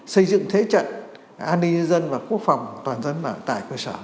xây dựng thế trận an ninh dân và quốc phòng toàn dân tại quốc gia